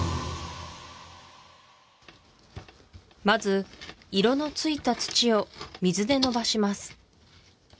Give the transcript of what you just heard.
まず色のついた土を水でのばします